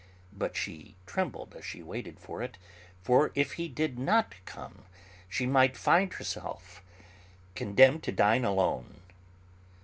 But she trembled as she waited for it, for if he did not come she might find herself condemned to dine alone.